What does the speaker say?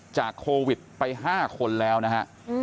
จากโควิดไป๕คนแล้วนะฮะ